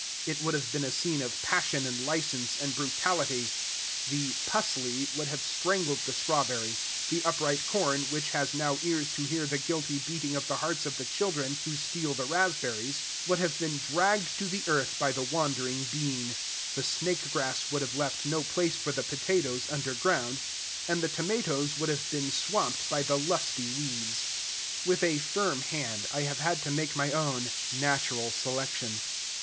It would have been a scene of passion and license and brutality. The "pusley" would have strangled the strawberry; the upright corn, which has now ears to hear the guilty beating of the hearts of the children who steal the raspberries, would have been dragged to the earth by the wandering bean; the snake grass would have left no place for the potatoes under ground; and the tomatoes would have been swamped by the lusty weeds. With a firm hand, I have had to make my own "natural selection."